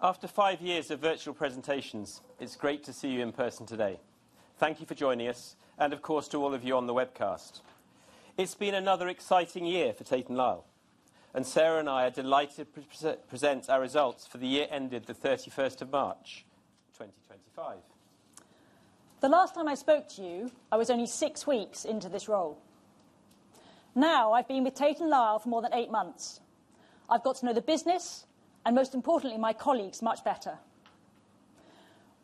After five years of virtual presentations, it's great to see you in person today. Thank you for joining us, and of course to all of you on the webcast. It's been another exciting year for Tate & Lyle, and Sarah and I are delighted to present our results for the year ended the 31st of March 2025. The last time I spoke to you, I was only six weeks into this role. Now I've been with Tate & Lyle for more than eight months. I've got to know the business, and most importantly, my colleagues much better.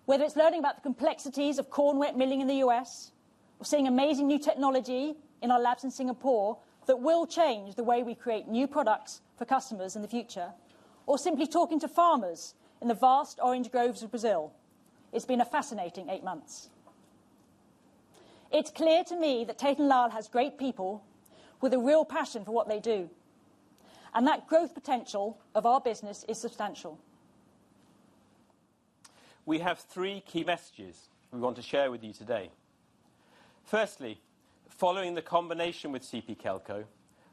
Whether it's learning about the complexities of corn wheat milling in the U.S., or seeing amazing new technology in our labs in Singapore that will change the way we create new products for customers in the future, or simply talking to farmers in the vast orange groves of Brazil, it's been a fascinating eight months. It's clear to me that Tate & Lyle has great people with a real passion for what they do, and that growth potential of our business is substantial. We have three key messages we want to share with you today. Firstly, following the combination with CP Kelco,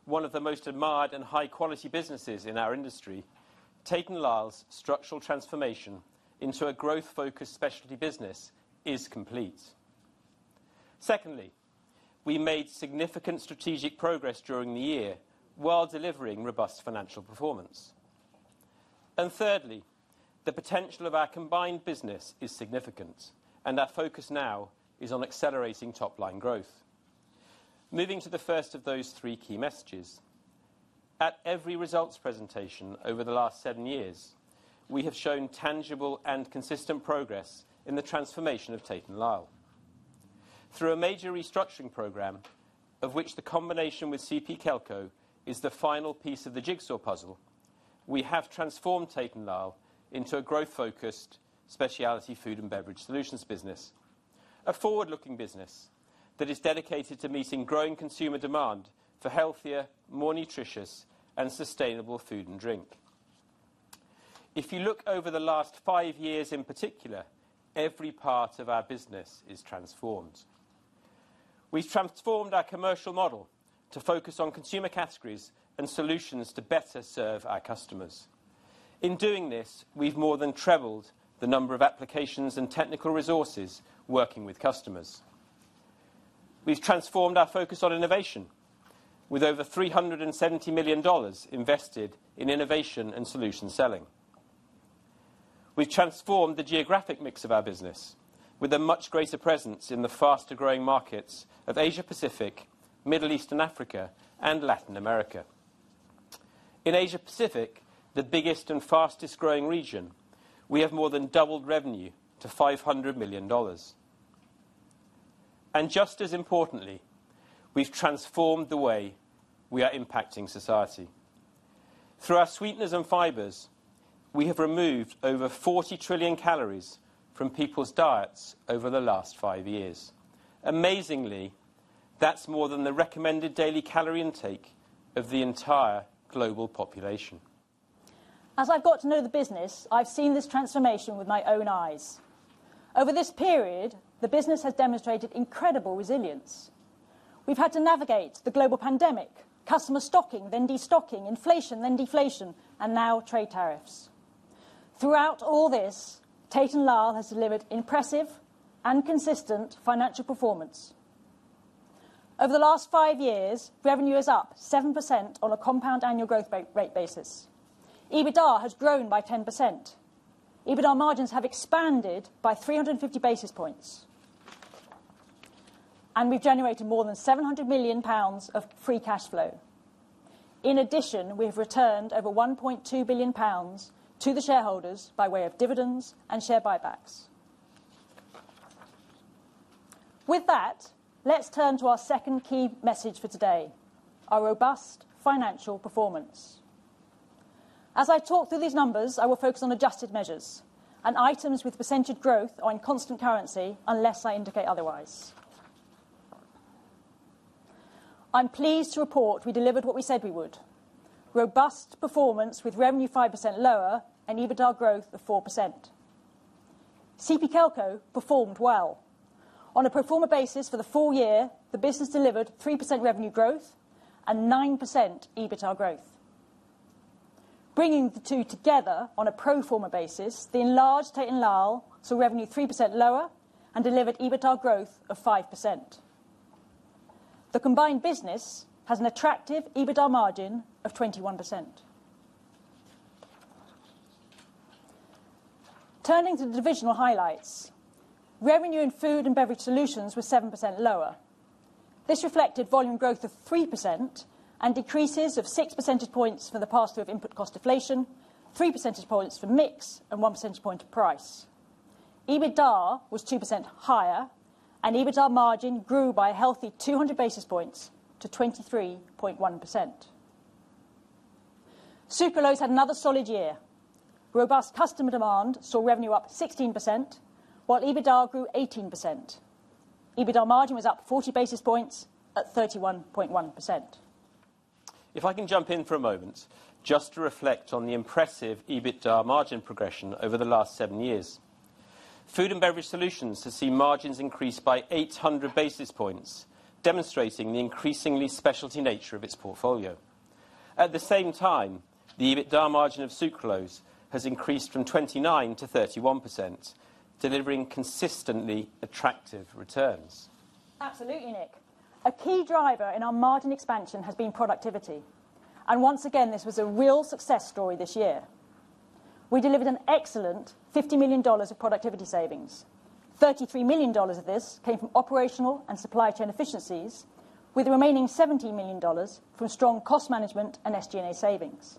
one of the most admired and high-quality businesses in our industry, Tate & Lyle's structural transformation into a growth-focused specialty business is complete. Secondly, we made significant strategic progress during the year while delivering robust financial performance. Thirdly, the potential of our combined business is significant, and our focus now is on accelerating top-line growth. Moving to the first of those three key messages, at every results presentation over the last seven years, we have shown tangible and consistent progress in the transformation of Tate & Lyle. Through a major restructuring program, of which the combination with CP Kelco is the final piece of the jigsaw puzzle, we have transformed Tate & Lyle into a growth-focused specialty food and beverage solutions business, a forward-looking business that is dedicated to meeting growing consumer demand for healthier, more nutritious, and sustainable food and drink. If you look over the last five years in particular, every part of our business is transformed. We've transformed our commercial model to focus on consumer categories and solutions to better serve our customers. In doing this, we've more than trebled the number of applications and technical resources working with customers. We've transformed our focus on innovation, with over $370 million invested in innovation and solutions selling. We've transformed the geographic mix of our business, with a much greater presence in the faster-growing markets of Asia-Pacific, Middle East and Africa, and Latin America. In Asia-Pacific, the biggest and fastest-growing region, we have more than doubled revenue to $500 million. Just as importantly, we have transformed the way we are impacting society. Through our sweeteners and fibers, we have removed over 40 trillion calories from people's diets over the last five years. Amazingly, that is more than the recommended daily calorie intake of the entire global population. As I've got to know the business, I've seen this transformation with my own eyes. Over this period, the business has demonstrated incredible resilience. We've had to navigate the global pandemic, customer stocking, then destocking, inflation, then deflation, and now trade tariffs. Throughout all this, Tate & Lyle has delivered impressive and consistent financial performance. Over the last five years, revenue is up 7% on a compound annual growth rate basis. EBITDA has grown by 10%. EBITDA margins have expanded by 350 basis points, and we've generated more than 700 million pounds of free cash flow. In addition, we have returned over 1.2 billion pounds to the shareholders by way of dividends and share buybacks. With that, let's turn to our second key message for today, our robust financial performance. As I talk through these numbers, I will focus on adjusted measures and items with % growth or in constant currency unless I indicate otherwise. I'm pleased to report we delivered what we said we would: robust performance with revenue 5% lower and EBITDA growth of 4%. CP Kelco performed well. On a pro forma basis for the full year, the business delivered 3% revenue growth and 9% EBITDA growth. Bringing the two together on a pro forma basis, the enlarged Tate & Lyle saw revenue 3% lower and delivered EBITDA growth of 5%. The combined business has an attractive EBITDA margin of 21%. Turning to the divisional highlights, revenue in food and beverage solutions was 7% lower. This reflected volume growth of 3% and decreases of 6 percentage points for the past year of input cost deflation, 3 percentage points for mix, and 1 percentage point of price. EBITDA was 2% higher, and EBITDA margin grew by a healthy 200 basis points to 23.1%. Superloads had another solid year. Robust customer demand saw revenue up 16%, while EBITDA grew 18%. EBITDA margin was up 40 basis points at 31.1%. If I can jump in for a moment just to reflect on the impressive EBITDA margin progression over the last seven years, Food and Beverage Solutions have seen margins increase by 800 basis points, demonstrating the increasingly specialty nature of its portfolio. At the same time, the EBITDA margin of Sucralose has increased from 29% to 31%, delivering consistently attractive returns. Absolutely, Nick. A key driver in our margin expansion has been productivity, and once again, this was a real success story this year. We delivered an excellent $50 million of productivity savings. $33 million of this came from operational and supply chain efficiencies, with the remaining $17 million from strong cost management and SG&A savings.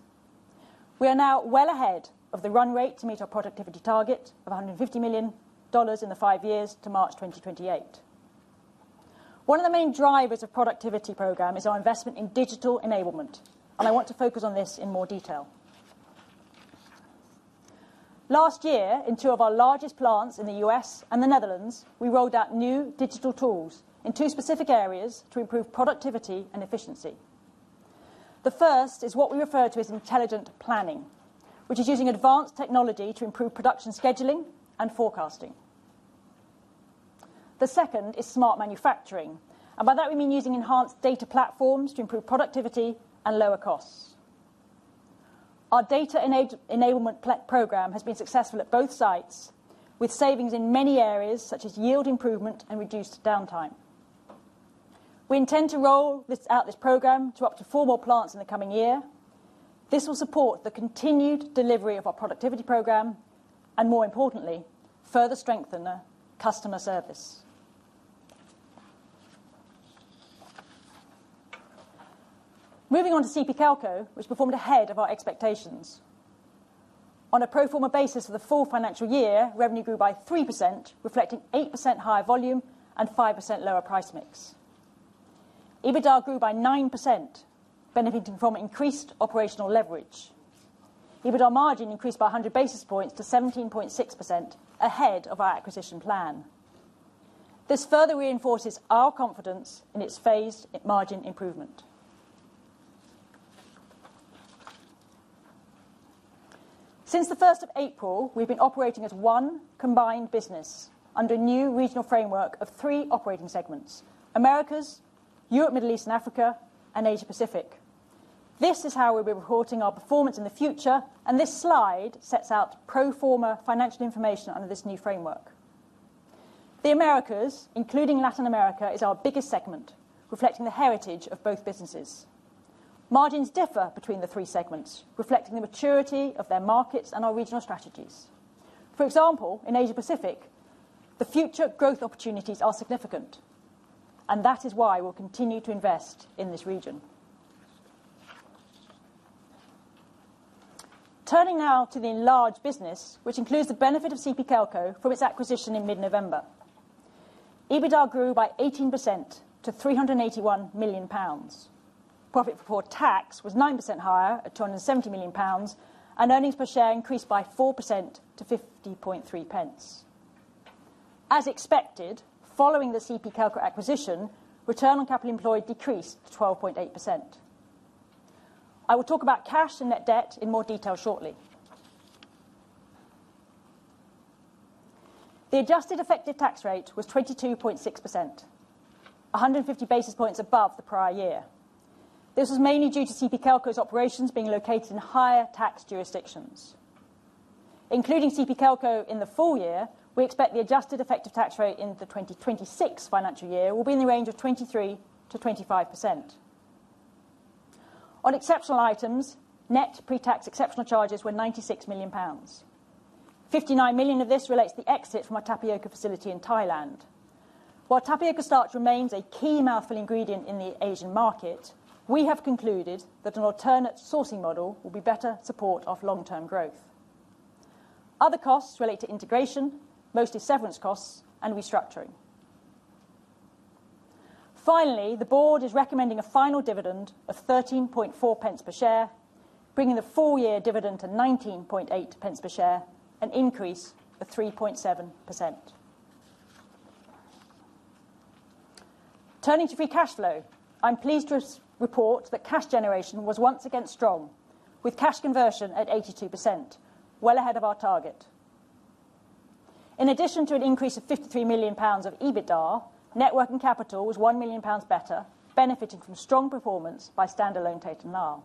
We are now well ahead of the run rate to meet our productivity target of $150 million in the five years to March 2028. One of the main drivers of the productivity program is our investment in digital enablement, and I want to focus on this in more detail. Last year, in two of our largest plants in the U.S. and the Netherlands, we rolled out new digital tools in two specific areas to improve productivity and efficiency. The first is what we refer to as intelligent planning, which is using advanced technology to improve production scheduling and forecasting. The second is smart manufacturing, and by that, we mean using enhanced data platforms to improve productivity and lower costs. Our data enablement program has been successful at both sites, with savings in many areas such as yield improvement and reduced downtime. We intend to roll out this program to up to four more plants in the coming year. This will support the continued delivery of our productivity program and, more importantly, further strengthen the customer service. Moving on to CP Kelco, which performed ahead of our expectations. On a pro forma basis for the full financial year, revenue grew by 3%, reflecting 8% higher volume and 5% lower price mix. EBITDA grew by 9%, benefiting from increased operational leverage. EBITDA margin increased by 100 basis points to 17.6% ahead of our acquisition plan. This further reinforces our confidence in its phased margin improvement. Since the 1st of April, we've been operating as one combined business under a new regional framework of three operating segments: Americas, Europe, Middle East, and Africa, and Asia-Pacific. This is how we'll be reporting our performance in the future, and this slide sets out pro forma financial information under this new framework. The Americas, including Latin America, is our biggest segment, reflecting the heritage of both businesses. Margins differ between the three segments, reflecting the maturity of their markets and our regional strategies. For example, in Asia-Pacific, the future growth opportunities are significant, and that is why we'll continue to invest in this region. Turning now to the enlarged business, which includes the benefit of CP Kelco from its acquisition in mid-November, EBITDA grew by 18% to 381 million pounds. Profit before tax was 9% higher at 270 million pounds, and earnings per share increased by 4% to 0.503. As expected, following the CP Kelco acquisition, return on capital employed decreased to 12.8%. I will talk about cash and net debt in more detail shortly. The adjusted effective tax rate was 22.6%, 150 basis points above the prior year. This was mainly due to CP Kelco's operations being located in higher tax jurisdictions. Including CP Kelco in the full year, we expect the adjusted effective tax rate in the 2026 financial year will be in the range of 23%-25%. On exceptional items, net pre-tax exceptional charges were 96 million pounds. 59 million of this relates to the exit from our tapioca facility in Thailand. While tapioca starch remains a key mouth-feel ingredient in the Asian market, we have concluded that an alternate sourcing model will better support long-term growth. Other costs relate to integration, mostly severance costs and restructuring. Finally, the board is recommending a final dividend of 0.134 per share, bringing the full-year dividend to 0.198 per share, an increase of 3.7%. Turning to free cash flow, I'm pleased to report that cash generation was once again strong, with cash conversion at 82%, well ahead of our target. In addition to an increase of 53 million pounds of EBITDA, net working capital was 1 million pounds better, benefiting from strong performance by standalone Tate & Lyle.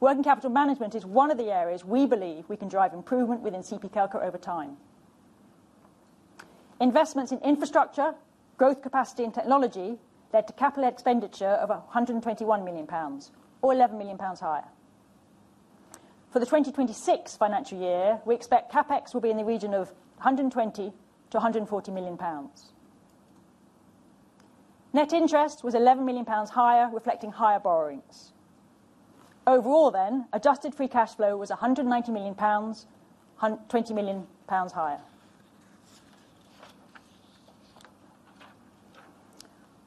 Working capital management is one of the areas we believe we can drive improvement within CP Kelco over time. Investments in infrastructure, growth capacity, and technology led to capital expenditure of 121 million pounds, or 11 million pounds higher. For the 2026 financial year, we expect CapEx will be in the region of 120 million-140 million pounds. Net interest was 11 million pounds higher, reflecting higher borrowings. Overall, then, adjusted free cash flow was 190 million pounds, 20 million pounds higher.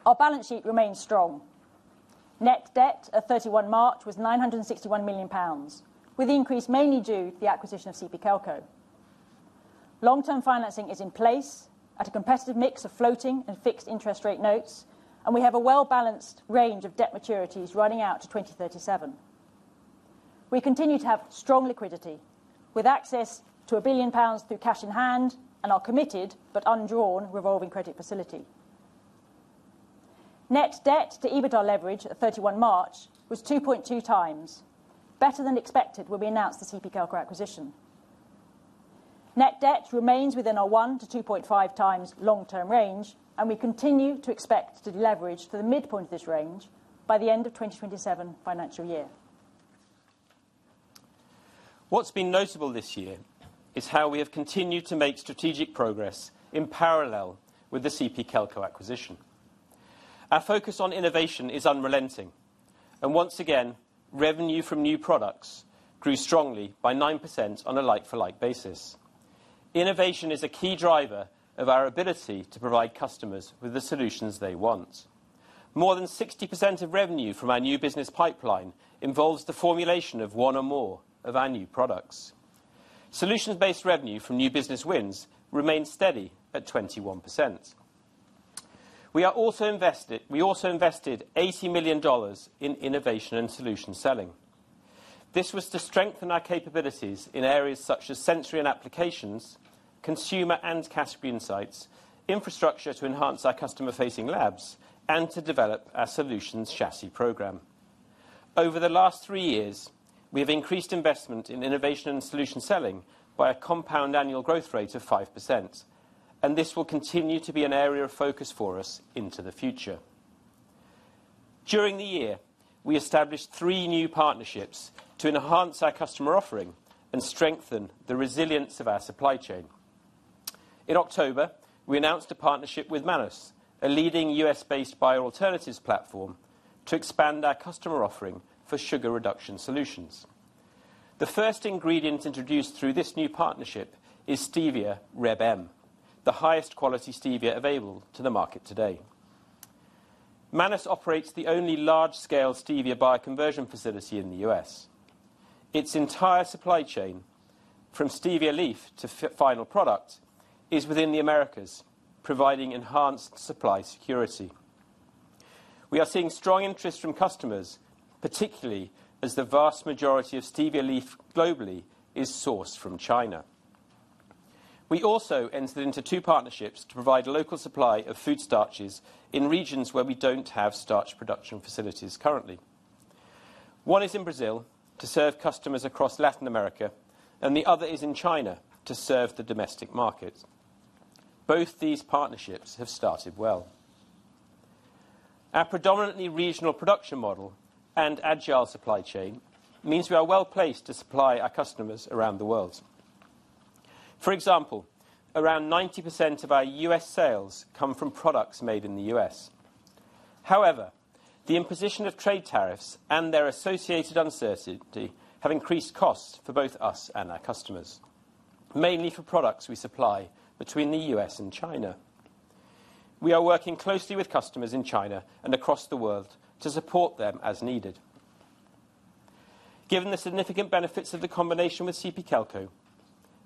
Our balance sheet remains strong. Net debt at 31 March was 961 million pounds, with the increase mainly due to the acquisition of CP Kelco. Long-term financing is in place at a competitive mix of floating and fixed interest rate notes, and we have a well-balanced range of debt maturities running out to 2037. We continue to have strong liquidity, with access to 1 billion pounds through cash in hand and our committed but undrawn revolving credit facility. Net debt to EBITDA leverage at 31 March was 2.2x, better than expected when we announced the CP Kelco acquisition. Net debt remains within our 1-2.5x long-term range, and we continue to expect to deleverage to the midpoint of this range by the end of the 2027 financial year. What's been notable this year is how we have continued to make strategic progress in parallel with the CP Kelco acquisition. Our focus on innovation is unrelenting, and once again, revenue from new products grew strongly by 9% on a like-for-like basis. Innovation is a key driver of our ability to provide customers with the solutions they want. More than 60% of revenue from our new business pipeline involves the formulation of one or more of our new products. Solutions-based revenue from new business wins remains steady at 21%. We also invested $80 million in innovation and solution selling. This was to strengthen our capabilities in areas such as sensory and applications, consumer and category insights, infrastructure to enhance our customer-facing labs, and to develop our solutions chassis program. Over the last three years, we have increased investment in innovation and solution selling by a compound annual growth rate of 5%, and this will continue to be an area of focus for us into the future. During the year, we established three new partnerships to enhance our customer offering and strengthen the resilience of our supply chain. In October, we announced a partnership with Manus, a leading U.S.-based bioalternatives platform, to expand our customer offering for sugar reduction solutions. The first ingredient introduced through this new partnership is stevia Reb M, the highest quality Stevia available to the market today. Manus operates the only large-scale stevia bioconversion facility in the U.S.. Its entire supply chain, from stevia leaf to final product, is within the Americas, providing enhanced supply security. We are seeing strong interest from customers, particularly as the vast majority of stevia leaf globally is sourced from China. We also entered into two partnerships to provide local supply of food starches in regions where we do not have starch production facilities currently. One is in Brazil to serve customers across Latin America, and the other is in China to serve the domestic market. Both these partnerships have started well. Our predominantly regional production model and agile supply chain means we are well placed to supply our customers around the world. For example, around 90% of our U.S. sales come from products made in the U.S.. However, the imposition of trade tariffs and their associated uncertainty have increased costs for both us and our customers, mainly for products we supply between the U.S. and China. We are working closely with customers in China and across the world to support them as needed. Given the significant benefits of the combination with CP Kelco,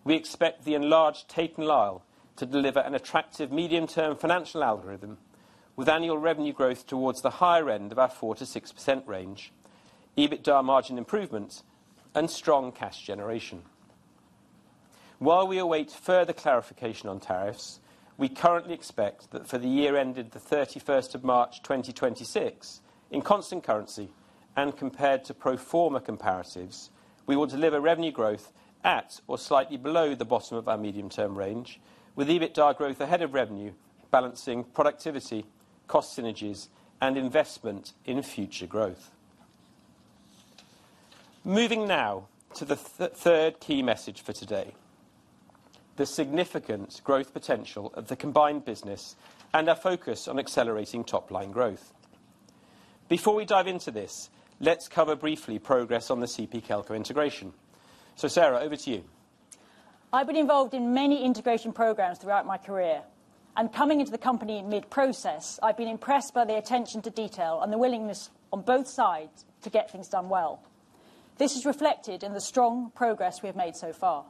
we expect the enlarged Tate & Lyle to deliver an attractive medium-term financial algorithm with annual revenue growth towards the higher end of our 4%-6% range, EBITDA margin improvement, and strong cash generation. While we await further clarification on tariffs, we currently expect that for the year ended the 31st of March 2026, in constant currency and compared to pro forma comparatives, we will deliver revenue growth at or slightly below the bottom of our medium-term range, with EBITDA growth ahead of revenue, balancing productivity, cost synergies, and investment in future growth. Moving now to the third key message for today: the significant growth potential of the combined business and our focus on accelerating top-line growth. Before we dive into this, let's cover briefly progress on the CP Kelco integration. So, Sarah, over to you. I've been involved in many integration programs throughout my career, and coming into the company mid-process, I've been impressed by the attention to detail and the willingness on both sides to get things done well. This is reflected in the strong progress we have made so far.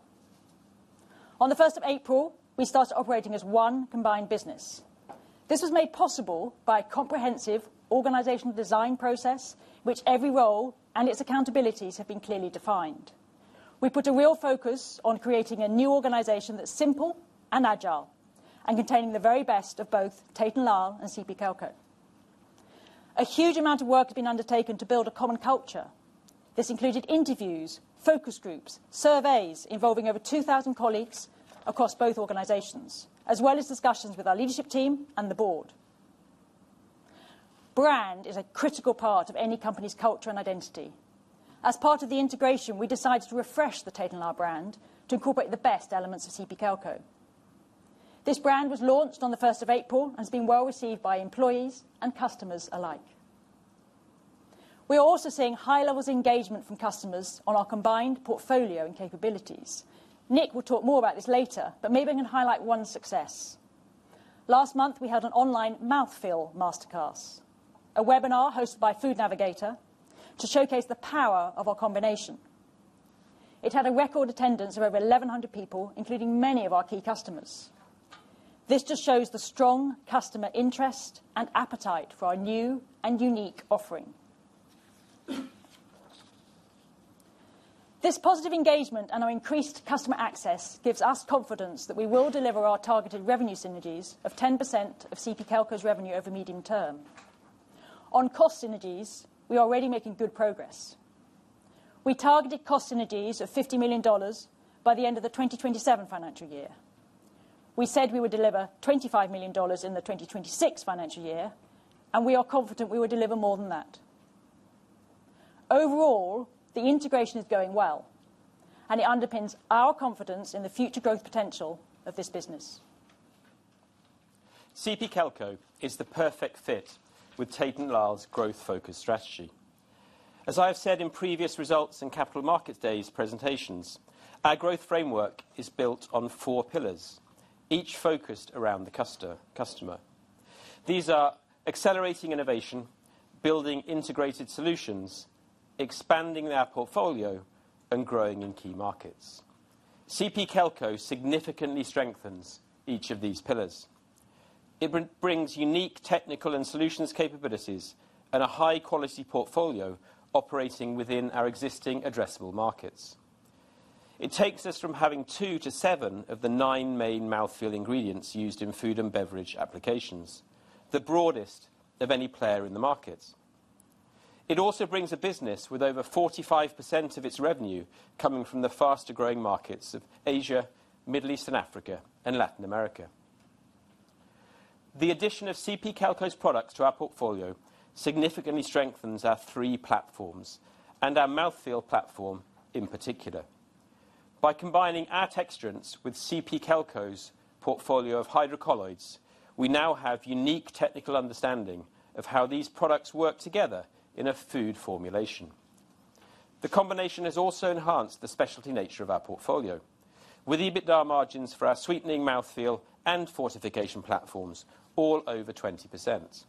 On the 1st of April, we started operating as one combined business. This was made possible by a comprehensive organizational design process, in which every role and its accountabilities have been clearly defined. We put a real focus on creating a new organization that's simple and agile and containing the very best of both Tate & Lyle and CP Kelco. A huge amount of work has been undertaken to build a common culture. This included interviews, focus groups, surveys involving over 2,000 colleagues across both organizations, as well as discussions with our leadership team and the board. Brand is a critical part of any company's culture and identity. As part of the integration, we decided to refresh the Tate & Lyle brand to incorporate the best elements of CP Kelco. This brand was launched on the 1st of April and has been well received by employees and customers alike. We are also seeing high-level engagement from customers on our combined portfolio and capabilities. Nick will talk more about this later, but maybe I can highlight one success. Last month, we held an online mouth-feel masterclass, a webinar hosted by Food Navigator, to showcase the power of our combination. It had a record attendance of over 1,100 people, including many of our key customers. This just shows the strong customer interest and appetite for our new and unique offering. This positive engagement and our increased customer access gives us confidence that we will deliver our targeted revenue synergies of 10% of CP Kelco's revenue over the medium term. On cost synergies, we are already making good progress. We targeted cost synergies of $50 million by the end of the 2027 financial year. We said we would deliver $25 million in the 2026 financial year, and we are confident we will deliver more than that. Overall, the integration is going well, and it underpins our confidence in the future growth potential of this business. CP Kelco is the perfect fit with Tate & Lyle's growth-focused strategy. As I have said in previous results and capital markets days presentations, our growth framework is built on four pillars, each focused around the customer. These are accelerating innovation, building integrated solutions, expanding our portfolio, and growing in key markets. CP Kelco significantly strengthens each of these pillars. It brings unique technical and solutions capabilities and a high-quality portfolio operating within our existing addressable markets. It takes us from having two to seven of the nine main mouth-feel ingredients used in food and beverage applications, the broadest of any player in the markets. It also brings a business with over 45% of its revenue coming from the faster-growing markets of Asia, Middle East and Africa, and Latin America. The addition of CP Kelco's products to our portfolio significantly strengthens our three platforms and our mouth-feel platform in particular. By combining our texturants with CP Kelco's portfolio of hydrocolloids, we now have unique technical understanding of how these products work together in a food formulation. The combination has also enhanced the specialty nature of our portfolio, with EBITDA margins for our sweetening, mouth-feel, and fortification platforms all over 20%.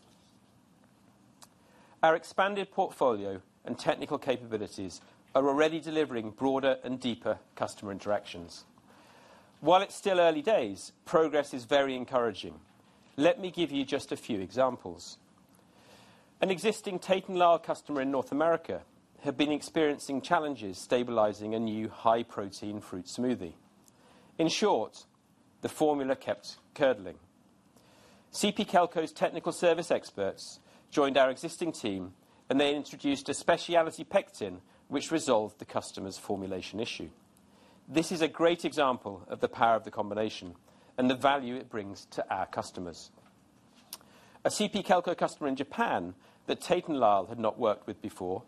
Our expanded portfolio and technical capabilities are already delivering broader and deeper customer interactions. While it's still early days, progress is very encouraging. Let me give you just a few examples. An existing Tate & Lyle customer in North America had been experiencing challenges stabilizing a new high-protein fruit smoothie. In short, the formula kept curdling. CP Kelco's technical service experts joined our existing team, and they introduced a specialty pectin, which resolved the customer's formulation issue. This is a great example of the power of the combination and the value it brings to our customers. A CP Kelco customer in Japan that Tate & Lyle had not worked with before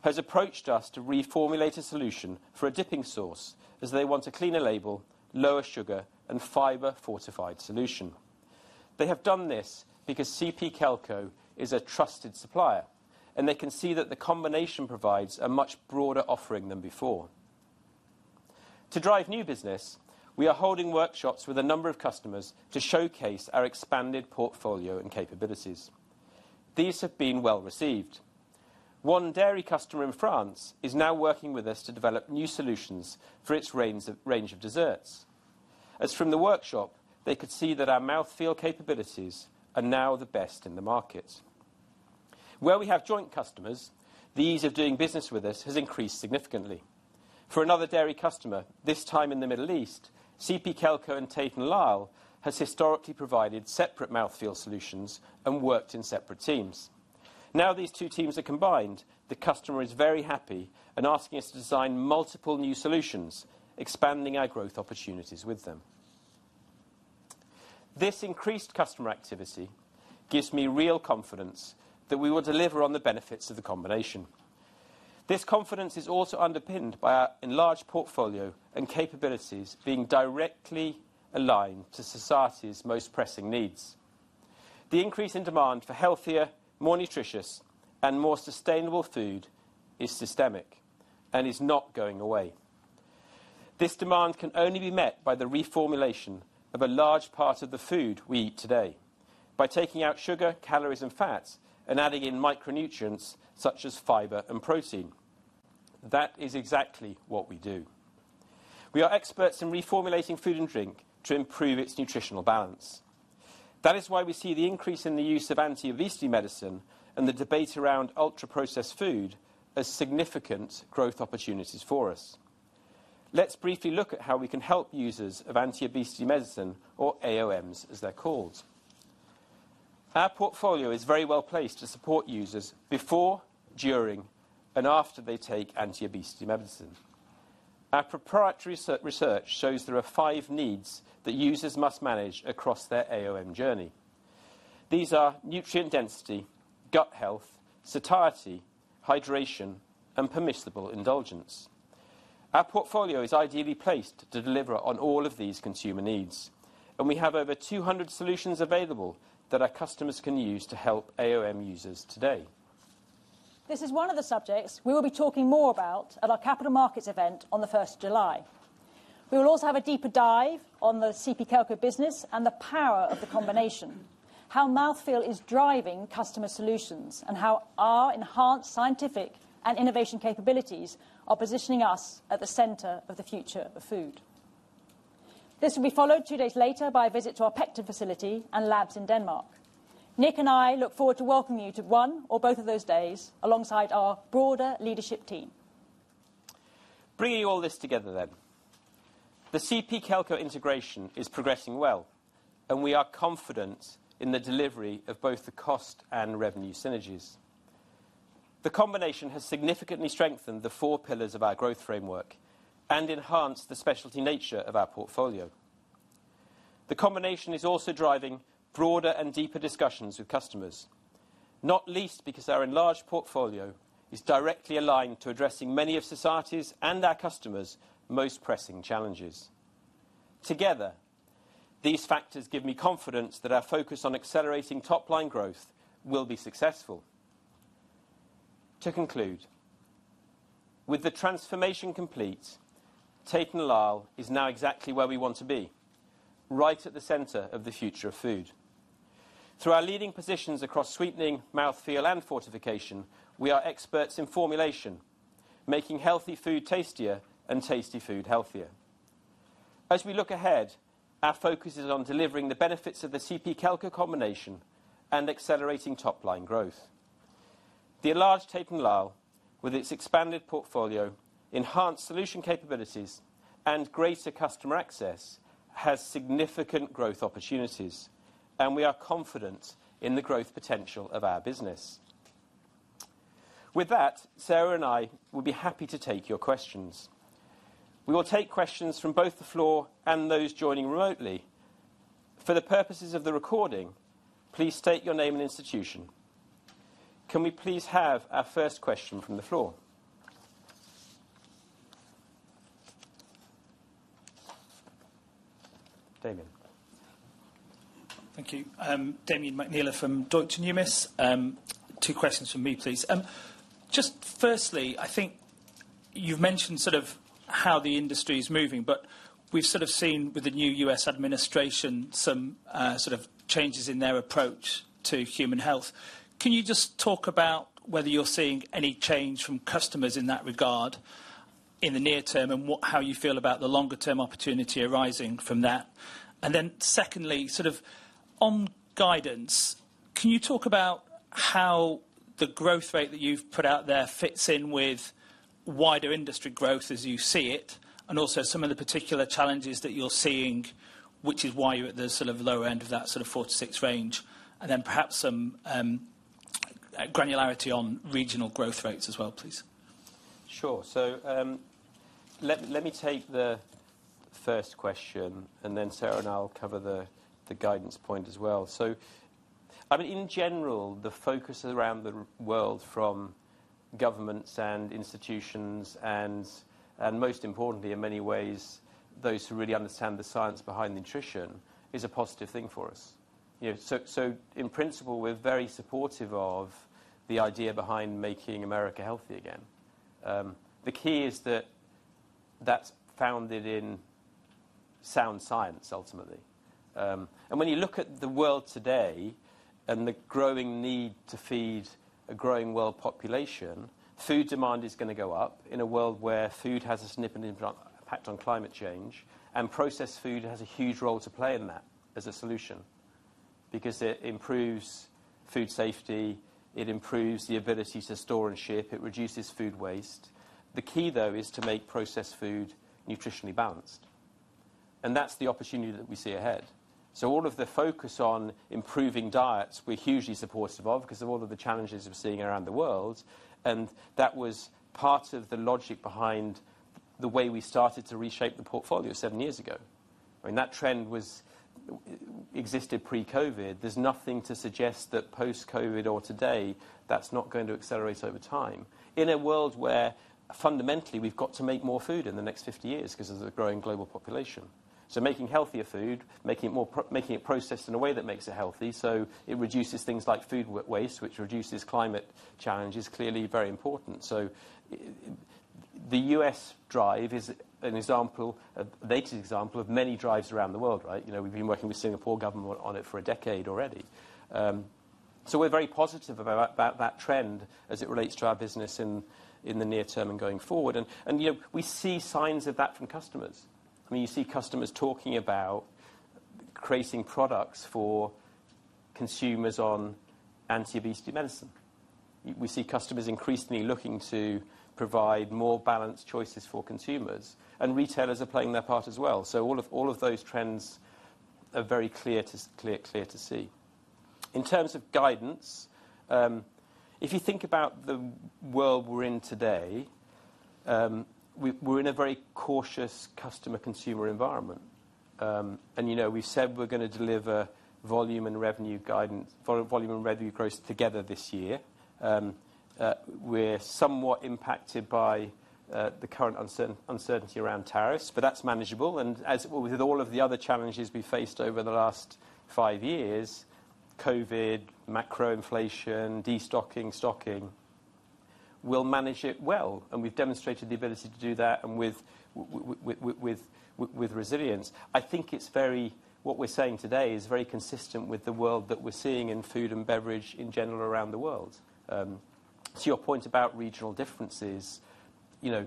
has approached us to reformulate a solution for a dipping sauce, as they want a cleaner label, lower sugar, and fiber-fortified solution. They have done this because CP Kelco is a trusted supplier, and they can see that the combination provides a much broader offering than before. To drive new business, we are holding workshops with a number of customers to showcase our expanded portfolio and capabilities. These have been well received. One dairy customer in France is now working with us to develop new solutions for its range of desserts. As from the workshop, they could see that our mouth-feel capabilities are now the best in the market. Where we have joint customers, the ease of doing business with us has increased significantly. For another dairy customer, this time in the Middle East, CP Kelco and Tate & Lyle have historically provided separate mouth-feel solutions and worked in separate teams. Now these two teams are combined. The customer is very happy and asking us to design multiple new solutions, expanding our growth opportunities with them. This increased customer activity gives me real confidence that we will deliver on the benefits of the combination. This confidence is also underpinned by our enlarged portfolio and capabilities being directly aligned to society's most pressing needs. The increase in demand for healthier, more nutritious, and more sustainable food is systemic and is not going away. This demand can only be met by the reformulation of a large part of the food we eat today by taking out sugar, calories, and fats and adding in micronutrients such as fiber and protein. That is exactly what we do. We are experts in reformulating food and drink to improve its nutritional balance. That is why we see the increase in the use of anti-obesity medicine and the debate around ultra-processed food as significant growth opportunities for us. Let's briefly look at how we can help users of anti-obesity medicine, or AOMs as they're called. Our portfolio is very well placed to support users before, during, and after they take anti-obesity medicine. Our proprietary research shows there are five needs that users must manage across their AOM journey. These are nutrient density, gut health, satiety, hydration, and permissible indulgence. Our portfolio is ideally placed to deliver on all of these consumer needs, and we have over 200 solutions available that our customers can use to help AOM users today. This is one of the subjects we will be talking more about at our capital markets event on the 1st of July. We will also have a deeper dive on the CP Kelco business and the power of the combination, how mouth-feel is driving customer solutions, and how our enhanced scientific and innovation capabilities are positioning us at the center of the future of food. This will be followed two days later by a visit to our pectin facility and labs in Denmark. Nick and I look forward to welcoming you to one or both of those days alongside our broader leadership team. Bringing all this together then, the CP Kelco integration is progressing well, and we are confident in the delivery of both the cost and revenue synergies. The combination has significantly strengthened the four pillars of our growth framework and enhanced the specialty nature of our portfolio. The combination is also driving broader and deeper discussions with customers, not least because our enlarged portfolio is directly aligned to addressing many of society's and our customers' most pressing challenges. Together, these factors give me confidence that our focus on accelerating top-line growth will be successful. To conclude, with the transformation complete, Tate & Lyle is now exactly where we want to be, right at the center of the future of food. Through our leading positions across sweetening, mouth-feel, and fortification, we are experts in formulation, making healthy food tastier and tasty food healthier. As we look ahead, our focus is on delivering the benefits of the CP Kelco combination and accelerating top-line growth. The enlarged Tate & Lyle, with its expanded portfolio, enhanced solution capabilities, and greater customer access, has significant growth opportunities, and we are confident in the growth potential of our business. With that, Sarah and I will be happy to take your questions. We will take questions from both the floor and those joining remotely. For the purposes of the recording, please state your name and institution. Can we please have our first question from the floor? Damian. Thank you. Damian McNeela from Deutsche Numis. Two questions from me, please. Just firstly, I think you've mentioned sort of how the industry is moving, but we've sort of seen with the new U.S. administration some sort of changes in their approach to human health. Can you just talk about whether you're seeing any change from customers in that regard in the near term and how you feel about the longer-term opportunity arising from that? Secondly, sort of on guidance, can you talk about how the growth rate that you've put out there fits in with wider industry growth as you see it, and also some of the particular challenges that you're seeing, which is why you're at the sort of lower end of that sort of 4%-6% range, and then perhaps some granularity on regional growth rates as well, please? Sure. Let me take the first question, and then Sarah and I will cover the guidance point as well. I mean, in general, the focus around the world from governments and institutions and, most importantly, in many ways, those who really understand the science behind nutrition is a positive thing for us. In principle, we are very supportive of the idea behind making America healthy again. The key is that is founded in sound science, ultimately. When you look at the world today and the growing need to feed a growing world population, food demand is going to go up in a world where food has a significant impact on climate change, and processed food has a huge role to play in that as a solution because it improves food safety, it improves the ability to store and ship, it reduces food waste. The key, though, is to make processed food nutritionally balanced, and that's the opportunity that we see ahead. All of the focus on improving diets, we're hugely supportive of because of all of the challenges we're seeing around the world, and that was part of the logic behind the way we started to reshape the portfolio seven years ago. I mean, that trend existed pre-COVID. There's nothing to suggest that post-COVID or today that's not going to accelerate over time in a world where fundamentally we've got to make more food in the next 50 years because of the growing global population. Making healthier food, making it processed in a way that makes it healthy, so it reduces things like food waste, which reduces climate challenges, clearly very important. The U.S. drive is an example, a latest example of many drives around the world, right? You know, we've been working with the Singapore government on it for a decade already. We are very positive about that trend as it relates to our business in the near term and going forward. We see signs of that from customers. I mean, you see customers talking about creating products for consumers on anti-obesity medicine. We see customers increasingly looking to provide more balanced choices for consumers, and retailers are playing their part as well. All of those trends are very clear to see. In terms of guidance, if you think about the world we are in today, we are in a very cautious customer-consumer environment. You know, we have said we are going to deliver volume and revenue guidance, volume and revenue growth together this year. We are somewhat impacted by the current uncertainty around tariffs, but that is manageable. As with all of the other challenges we faced over the last five years, COVID, macroinflation, destocking, stocking, we will manage it well, and we have demonstrated the ability to do that with resilience. I think what we are saying today is very consistent with the world that we are seeing in food and beverage in general around the world. To your point about regional differences, you know,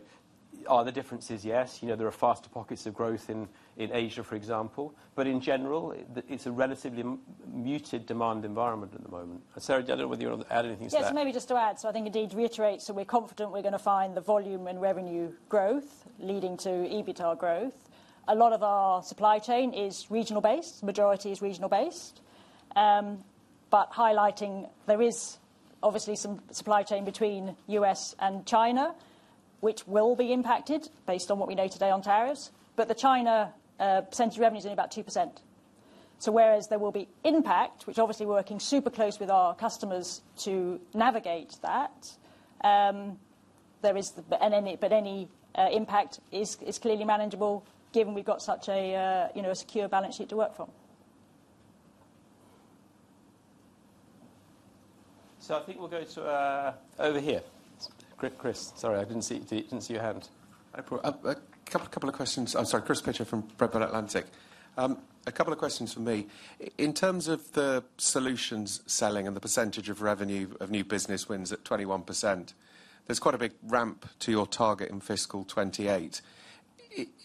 are there differences? Yes. You know, there are faster pockets of growth in Asia, for example, but in general, it is a relatively muted demand environment at the moment. Sarah, do you want to add anything to that? Yes, maybe just to add, so I think indeed reiterate, so we're confident we're going to find the volume and revenue growth leading to EBITDA growth. A lot of our supply chain is regional-based, majority is regional-based, but highlighting there is obviously some supply chain between the U.S. and China, which will be impacted based on what we know today on tariffs, but the China percentage of revenue is only about 2%. Whereas there will be impact, which obviously we're working super close with our customers to navigate that, there is but any impact is clearly manageable given we've got such a secure balance sheet to work from. I think we'll go to over here. Chris, sorry, I didn't see your hand. A couple of questions. I'm sorry, Chris Pitcher from Redburn Atlantic. A couple of questions for me. In terms of the solutions selling and the percentage of revenue of new business wins at 21%, there's quite a big ramp to your target in fiscal 2028.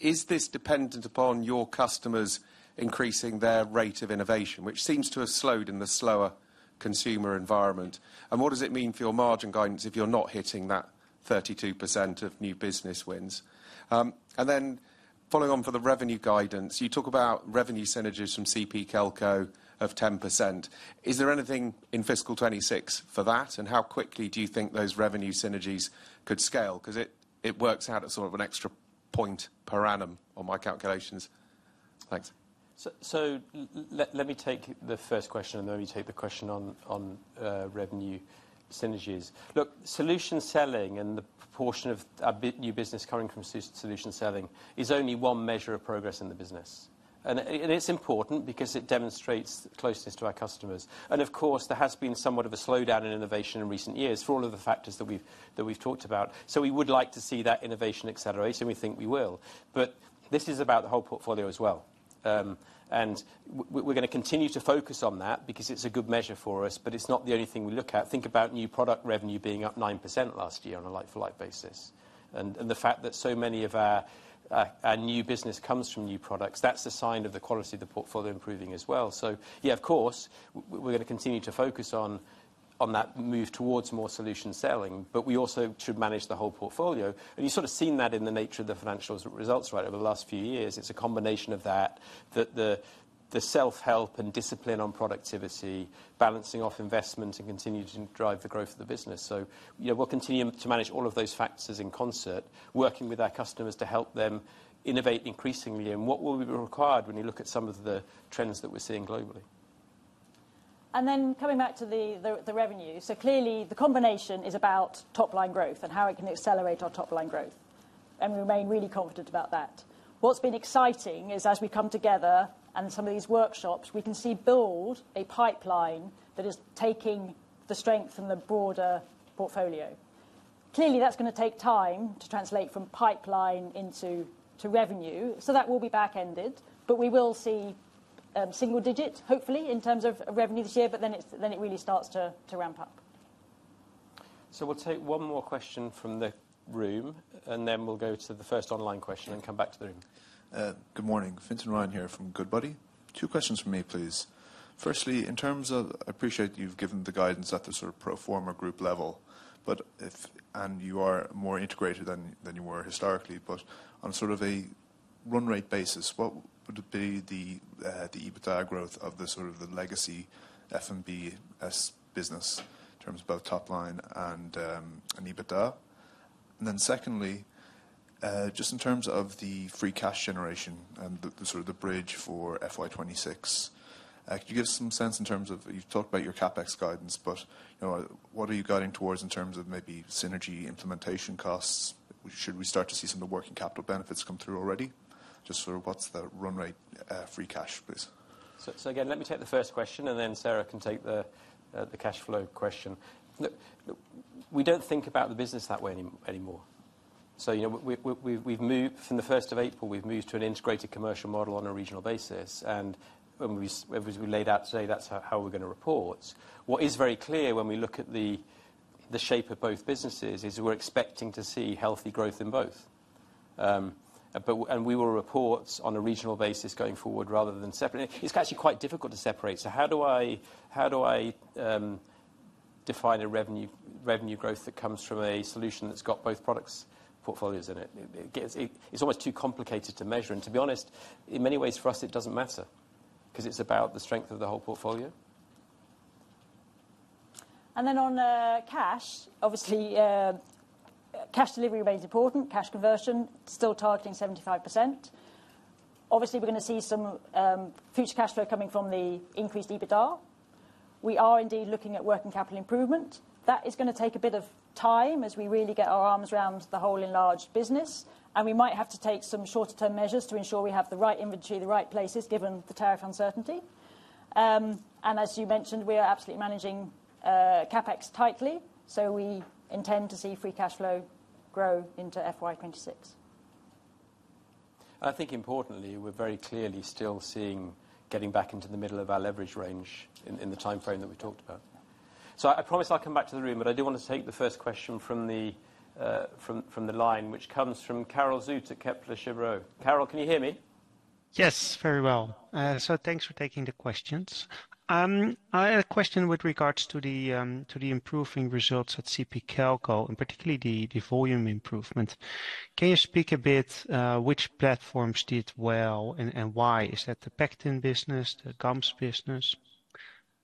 Is this dependent upon your customers increasing their rate of innovation, which seems to have slowed in the slower consumer environment? What does it mean for your margin guidance if you're not hitting that 32% of new business wins? Following on for the revenue guidance, you talk about revenue synergies from CP Kelco of 10%. Is there anything in fiscal 2026 for that, and how quickly do you think those revenue synergies could scale? Because it works out at sort of an extra point per annum on my calculations. Thanks. Let me take the first question, and then let me take the question on revenue synergies. Look, solution selling and the proportion of new business coming from solution selling is only one measure of progress in the business. It is important because it demonstrates closeness to our customers. Of course, there has been somewhat of a slowdown in innovation in recent years for all of the factors that we have talked about. We would like to see that innovation accelerate, and we think we will. This is about the whole portfolio as well. We are going to continue to focus on that because it is a good measure for us, but it is not the only thing we look at. Think about new product revenue being up 9% last year on a like-for-like basis. The fact that so many of our new business comes from new products, that's a sign of the quality of the portfolio improving as well. Yeah, of course, we're going to continue to focus on that move towards more solution selling, but we also should manage the whole portfolio. You've sort of seen that in the nature of the financial results, right, over the last few years. It's a combination of that, the self-help and discipline on productivity, balancing off investment and continuing to drive the growth of the business. We'll continue to manage all of those factors in concert, working with our customers to help them innovate increasingly in what will be required when you look at some of the trends that we're seeing globally. Coming back to the revenue, the combination is about top-line growth and how it can accelerate our top-line growth. We remain really confident about that. What's been exciting is as we come together and some of these workshops, we can see build a pipeline that is taking the strength from the broader portfolio. Clearly, that's going to take time to translate from pipeline into revenue, so that will be back-ended, but we will see single digits, hopefully, in terms of revenue this year, but then it really starts to ramp up. We'll take one more question from the room, and then we'll go to the first online question and come back to the room. Good morning. Vincent Power here from Goodbody. Two questions for me, please. Firstly, in terms of I appreciate you've given the guidance at the sort of pro forma group level, but if and you are more integrated than you were historically, but on sort of a run-rate basis, what would be the EBITDA growth of the sort of the legacy F&B business in terms of both top-line and EBITDA? Secondly, just in terms of the free cash generation and the sort of the bridge for FY 2026, could you give some sense in terms of you've talked about your CapEx guidance, but what are you guiding towards in terms of maybe synergy implementation costs? Should we start to see some of the working capital benefits come through already? Just sort of what's the run-rate free cash, please? Again, let me take the first question, and then Sarah can take the cash flow question. We do not think about the business that way anymore. You know, we have moved from the 1st of April, we have moved to an integrated commercial model on a regional basis. As we laid out today, that is how we are going to report. What is very clear when we look at the shape of both businesses is we are expecting to see healthy growth in both. We will report on a regional basis going forward rather than separately. It is actually quite difficult to separate. How do I define a revenue growth that comes from a solution that has got both products' portfolios in it? It is almost too complicated to measure. To be honest, in many ways for us, it does not matter because it is about the strength of the whole portfolio. On cash, obviously, cash delivery remains important, cash conversion still targeting 75%. Obviously, we're going to see some future cash flow coming from the increased EBITDA. We are indeed looking at working capital improvement. That is going to take a bit of time as we really get our arms around the whole enlarged business. We might have to take some shorter-term measures to ensure we have the right inventory, the right places given the tariff uncertainty. As you mentioned, we are absolutely managing CapEx tightly. We intend to see free cash flow grow into FY2026. I think importantly, we're very clearly still seeing getting back into the middle of our leverage range in the timeframe that we talked about. I promise I'll come back to the room, but I do want to take the first question from the line, which comes from Carol Zuhtaar at Kepler Cheuvreux. Carol, can you hear me? Yes, very well. Thanks for taking the questions. I had a question with regards to the improving results at CP Kelco, and particularly the volume improvement. Can you speak a bit which platforms did well and why? Is that the pectin business, the gums business?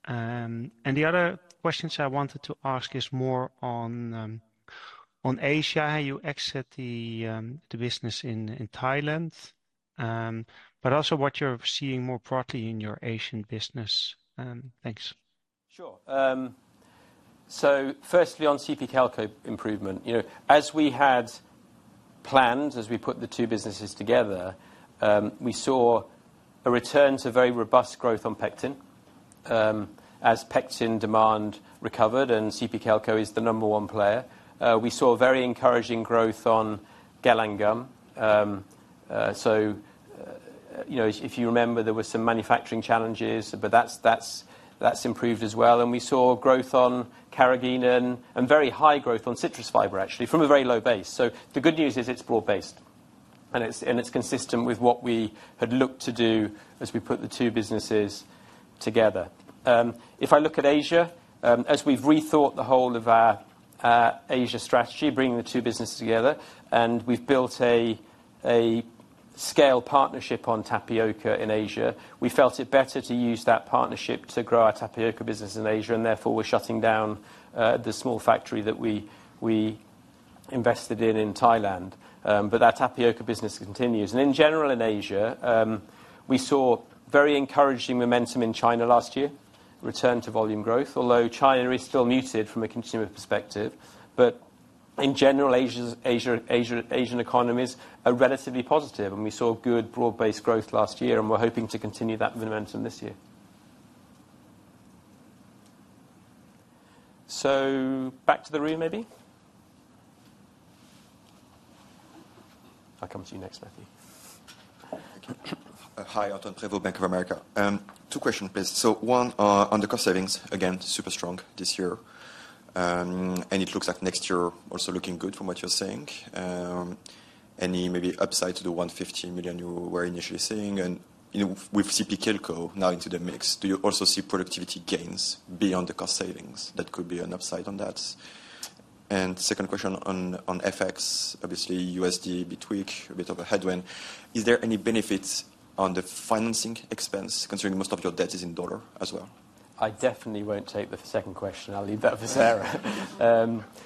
The other questions I wanted to ask is more on Asia. How you exit the business in Thailand, but also what you're seeing more broadly in your Asian business. Thanks. Sure. So, firstly on CP Kelco improvement, you know, as we had planned, as we put the two businesses together, we saw a return to very robust growth on pectin as pectin demand recovered, and CP Kelco is the number one player. We saw very encouraging growth on gellan gum. So, you know, if you remember, there were some manufacturing challenges, but that's improved as well. We saw growth on carrageenan and very high growth on citrus fiber, actually, from a very low base. The good news is it's broad-based, and it's consistent with what we had looked to do as we put the two businesses together. If I look at Asia, as we've rethought the whole of our Asia strategy, bringing the two businesses together, and we've built a scale partnership on tapioca in Asia, we felt it better to use that partnership to grow our tapioca business in Asia, and therefore we're shutting down the small factory that we invested in in Thailand. That tapioca business continues. In general in Asia, we saw very encouraging momentum in China last year, return to volume growth, although China is still muted from a consumer perspective. In general, Asian economies are relatively positive, and we saw good broad-based growth last year, and we're hoping to continue that momentum this year. Back to the room maybe. I'll come to you next, Matthew. Hi, Anton Greaton, Bank of America. Two questions, please. One on the cost savings, again, super strong this year. It looks like next year also looking good from what you're saying. Any maybe upside to the $150 million you were initially saying? With CP Kelco now into the mix, do you also see productivity gains beyond the cost savings? That could be an upside on that. Second question on FX, obviously USD, a bit weak, a bit of a headwind. Is there any benefits on the financing expense considering most of your debt is in dollar as well? I definitely won't take the second question. I'll leave that for Sarah.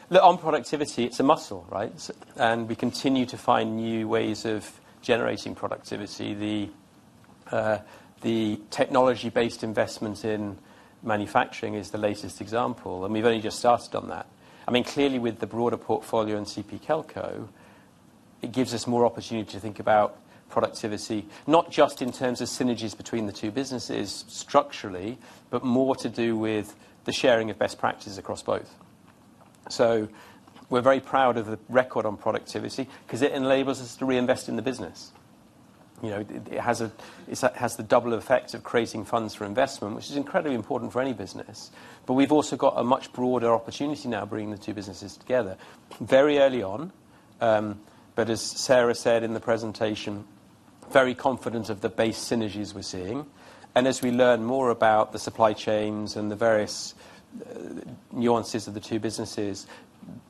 Look, on productivity, it's a muscle, right? And we continue to find new ways of generating productivity. The technology-based investment in manufacturing is the latest example, and we've only just started on that. I mean, clearly with the broader portfolio and CP Kelco, it gives us more opportunity to think about productivity, not just in terms of synergies between the two businesses structurally, but more to do with the sharing of best practices across both. So, we're very proud of the record on productivity because it enables us to reinvest in the business. You know, it has the double effect of creating funds for investment, which is incredibly important for any business. But we've also got a much broader opportunity now bringing the two businesses together. Very early on, but as Sarah said in the presentation, very confident of the base synergies we're seeing. As we learn more about the supply chains and the various nuances of the two businesses,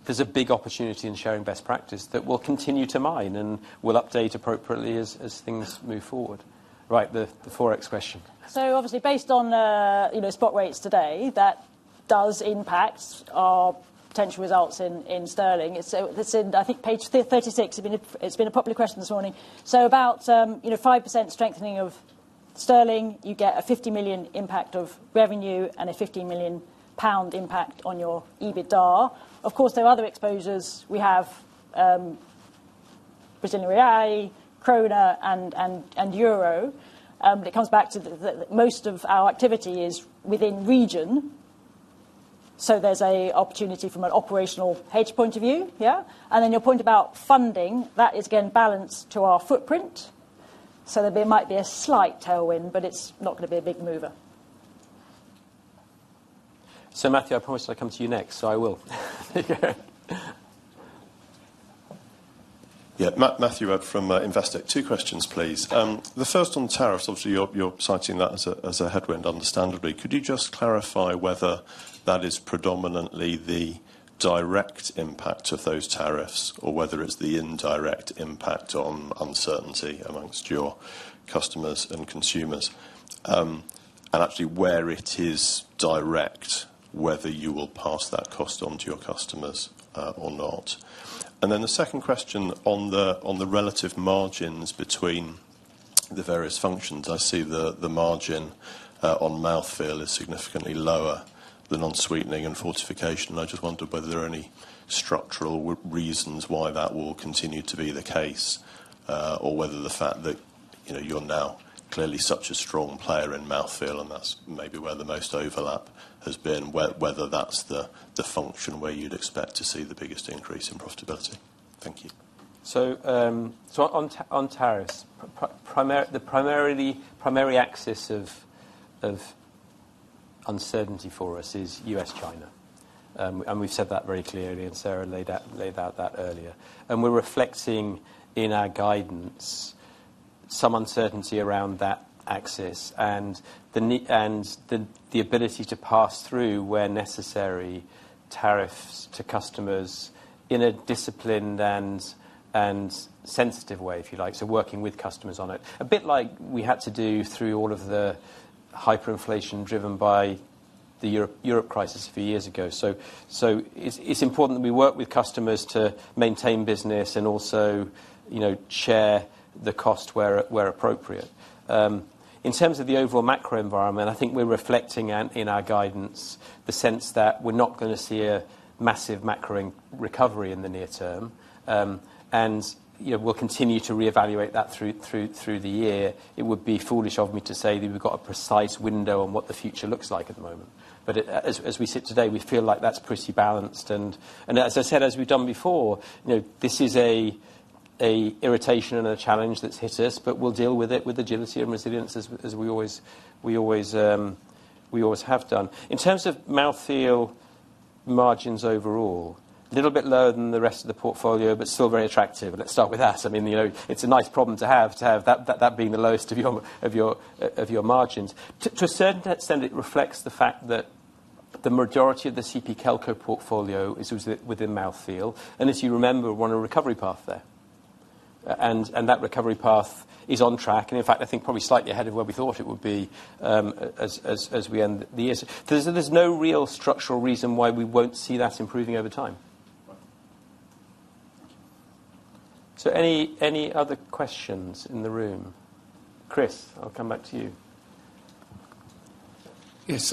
there's a big opportunity in sharing best practice that we'll continue to mine and we'll update appropriately as things move forward. Right, the Forex question. Obviously, based on, you know, spot rates today, that does impact our potential results in sterling. It's in, I think, page 36. It's been a popular question this morning. About 5% strengthening of sterling, you get a 50 million impact of revenue and a 50 million pound impact on your EBITDA. Of course, there are other exposures. We have Brazilian real, kroner, and euro. It comes back to that most of our activity is within region. There's an opportunity from an operational hedge point of view, yeah. Your point about funding, that is again balanced to our footprint. There might be a slight tailwind, but it's not going to be a big mover. Matthew, I promised I'd come to you next, so I will. Yeah, Matthew from Investec. Two questions, please. The first on tariffs, obviously you're citing that as a headwind, understandably. Could you just clarify whether that is predominantly the direct impact of those tariffs or whether it's the indirect impact on uncertainty amongst your customers and consumers? Where it is direct, whether you will pass that cost on to your customers or not. The second question on the relative margins between the various functions. I see the margin on mouthfeel is significantly lower than on sweetening and fortification. I just wondered whether there are any structural reasons why that will continue to be the case or whether the fact that, you know, you're now clearly such a strong player in mouthfeel and that's maybe where the most overlap has been, whether that's the function where you'd expect to see the biggest increase in profitability. Thank you. On tariffs, the primary axis of uncertainty for us is U.S.-China. We have said that very clearly, and Sarah laid out that earlier. We are reflecting in our guidance some uncertainty around that axis and the ability to pass through, where necessary, tariffs to customers in a disciplined and sensitive way, if you like, working with customers on it. A bit like we had to do through all of the hyperinflation driven by the Europe crisis a few years ago. It is important that we work with customers to maintain business and also, you know, share the cost where appropriate. In terms of the overall macro environment, I think we are reflecting in our guidance the sense that we are not going to see a massive macro recovery in the near term. You know, we will continue to reevaluate that through the year. It would be foolish of me to say that we've got a precise window on what the future looks like at the moment. But as we sit today, we feel like that's pretty balanced. And as I said, as we've done before, you know, this is an irritation and a challenge that's hit us, but we'll deal with it with agility and resilience as we always have done. In terms of mouthfeel margins overall, a little bit lower than the rest of the portfolio, but still very attractive. Let's start with that. I mean, you know, it's a nice problem to have that being the lowest of your margins. To a certain extent, it reflects the fact that the majority of the CP Kelco portfolio is within mouthfeel. And as you remember, we're on a recovery path there. And that recovery path is on track. In fact, I think probably slightly ahead of where we thought it would be as we end the year. There is no real structural reason why we will not see that improving over time. Any other questions in the room? Chris, I will come back to you. Yes,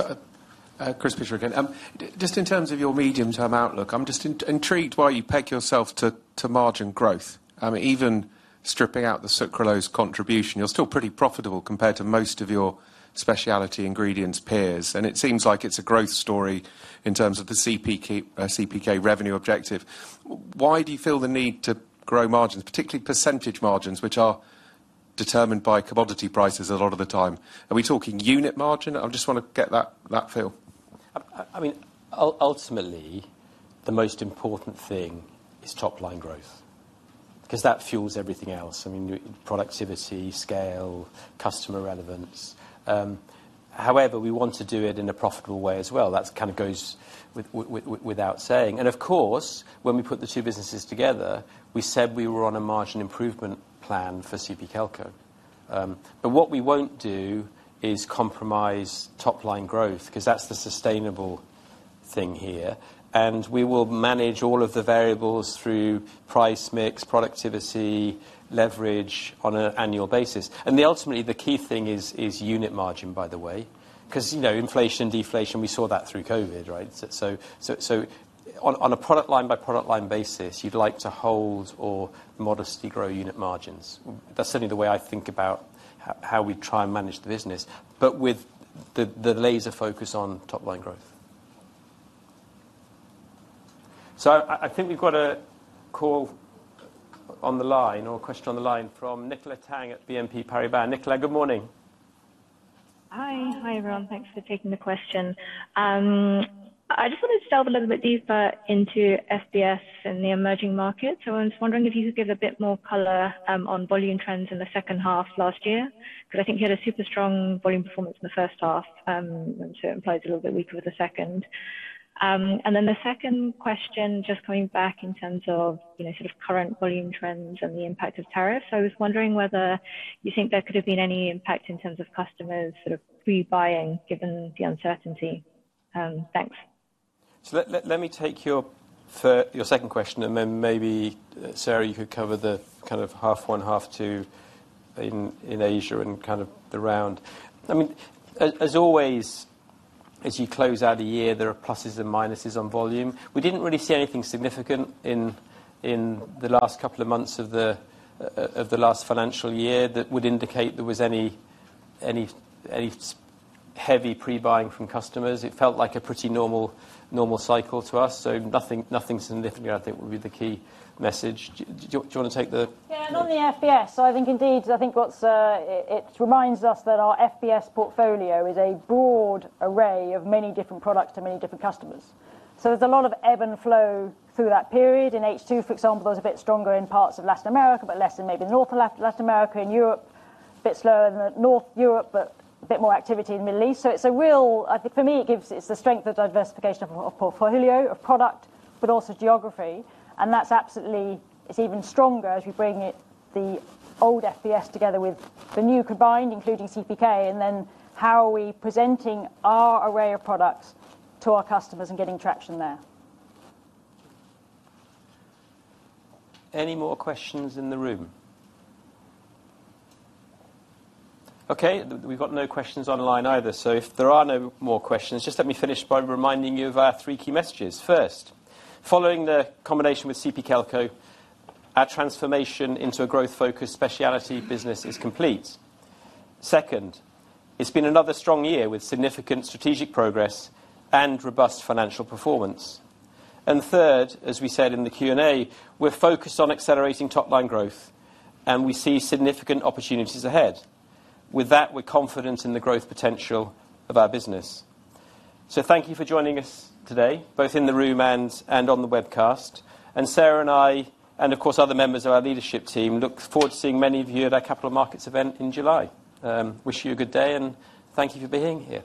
Chris Pitcher again. Just in terms of your medium-term outlook, I'm just intrigued why you peg yourself to margin growth. I mean, even stripping out the sucralose contribution, you're still pretty profitable compared to most of your specialty ingredients peers. It seems like it's a growth story in terms of the CP Kelco revenue objective. Why do you feel the need to grow margins, particularly percentage margins, which are determined by commodity prices a lot of the time? Are we talking unit margin? I just want to get that feel. I mean, ultimately, the most important thing is top-line growth because that fuels everything else. I mean, productivity, scale, customer relevance. However, we want to do it in a profitable way as well. That kind of goes without saying. Of course, when we put the two businesses together, we said we were on a margin improvement plan for CP Kelco. What we will not do is compromise top-line growth because that is the sustainable thing here. We will manage all of the variables through price mix, productivity, leverage on an annual basis. Ultimately, the key thing is unit margin, by the way, because, you know, inflation, deflation, we saw that through COVID, right? On a product line by product line basis, you would like to hold or modestly grow unit margins. That's certainly the way I think about how we try and manage the business, but with the laser focus on top-line growth. I think we've got a call on the line or a question on the line from Nicola Tang at BNP Paribas. Nicola, good morning. Hi, hi everyone. Thanks for taking the question. I just wanted to delve a little bit deeper into SBS and the emerging markets. I was wondering if you could give a bit more color on volume trends in the second half last year because I think you had a super strong volume performance in the first half, which implies a little bit weaker with the second. The second question, just coming back in terms of, you know, sort of current volume trends and the impact of tariffs. I was wondering whether you think there could have been any impact in terms of customers sort of rebuying given the uncertainty. Thanks. Let me take your second question, and then maybe Sarah, you could cover the kind of half-one, half-two in Asia and kind of the round. I mean, as always, as you close out a year, there are pluses and minuses on volume. We did not really see anything significant in the last couple of months of the last financial year that would indicate there was any heavy pre-buying from customers. It felt like a pretty normal cycle to us. Nothing significant, I think, would be the key message. Do you want to take the. Yeah, and on the FBS, I think indeed, it reminds us that our FBS portfolio is a broad array of many different products to many different customers. There's a lot of ebb and flow through that period. In H2, for example, it was a bit stronger in parts of Latin America, but less in maybe northern Latin America. In Europe, a bit slower than north Europe, but a bit more activity in the Middle East. It gives us the strength of diversification of portfolio, of product, but also geography. That's absolutely, it's even stronger as we bring the old FBS together with the new combined, including CP Kelco, and then how are we presenting our array of products to our customers and getting traction there. Any more questions in the room? Okay, we've got no questions online either. If there are no more questions, just let me finish by reminding you of our three key messages. First, following the combination with CP Kelco, our transformation into a growth-focused specialty business is complete. Second, it's been another strong year with significant strategic progress and robust financial performance. Third, as we said in the Q&A, we're focused on accelerating top-line growth, and we see significant opportunities ahead. With that, we're confident in the growth potential of our business. Thank you for joining us today, both in the room and on the webcast. Sarah and I, and of course other members of our leadership team, look forward to seeing many of you at our Capital Markets event in July. Wish you a good day, and thank you for being here.